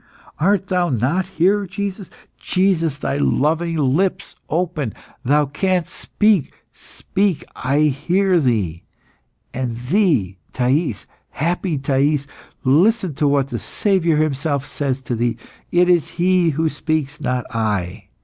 Art Thou not here, Jesus? Jesus, Thy loving lips open. Thou canst speak; speak, I hear Thee! And thee, Thais, happy Thais! listen to what the Saviour Himself says to thee; it is He who speaks, not I.